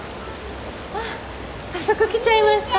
あっ早速来ちゃいました。